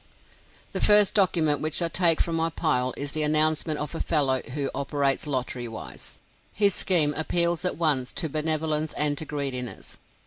The first document which I take from my pile is the announcement of a fellow who operates lottery wise. His scheme appeals at once to benevolence and to greediness.